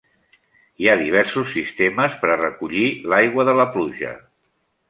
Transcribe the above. Hi ha diversos sistemes per a recollir l'aigua de la pluja.